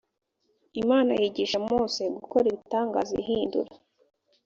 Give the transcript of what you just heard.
imana yigisha mose gukora ibitangaza ihindura